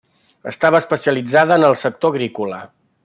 Estava especialitzada en el sector agrícola.